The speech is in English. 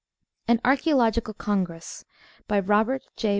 AN ARCHÆOLOGICAL CONGRESS BY ROBERT J.